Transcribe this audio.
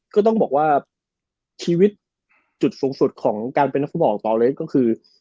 ก็ต้องบอกว่าชีวิตจุดสูงสุดของการเป็นนักฟุตบอลเลสก็คือ